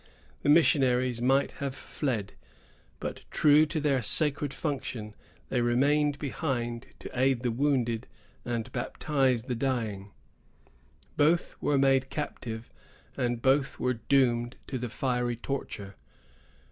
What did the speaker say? The missionaries might have fled; but, true to their sacred function, they remained behind to aid the wounded and baptize the dying. Both were made captive, and both were doomed to the fiery torture.